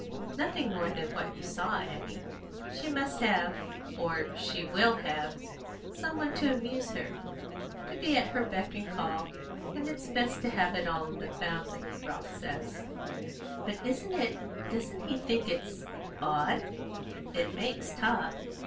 "Nothing more than what you saw, Annie. She must have or she will have some one to amuse her; to be at her beck and call; and it's best to have it all in the family, Ralph says." "But isn't it doesn't he think it's odd?" "It makes talk."